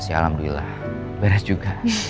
ya alhamdulillah beres juga